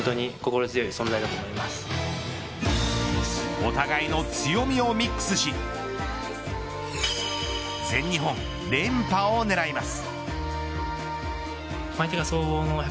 お互いの強みをミックスし全日本連覇を狙います。